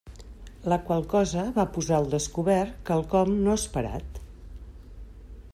La qual cosa va posar al descobert quelcom no esperat.